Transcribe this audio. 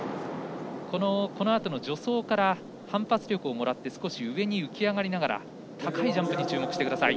このあとの助走から反発力をもらって浮き上がりながら高いジャンプに注目してください。